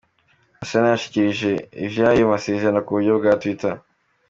Arsenal yashikirije ivy'ayo masezerano ku buryo bwa Twitter:.